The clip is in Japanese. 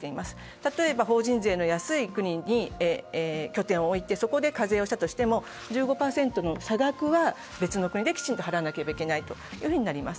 例えば法人税の安い国に拠点を置いてそこで課税をしたとしても１５％の差額は別の国できちんと払わなければならないとなります。